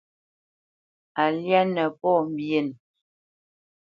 A lyá nə pɔ̌ mbyénə.